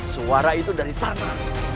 suara itu dari sana